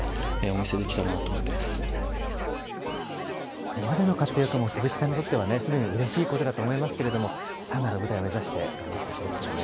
これまでの活躍も、鈴木さんにとっては、すでにうれしいことだと思いますけれども、さらなる舞台を目指して、頑張ってほしいですよね。